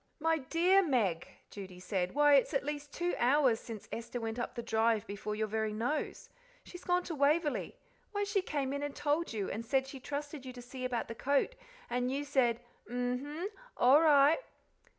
"My DEAR Meg!" Judy said; "why, it's at least two hours since Esther went up the drive before your very nose. She's gone to Waverly why, she came in and told you, and said she trusted you to see about the coat, and you said, 'M 'm! all right.'"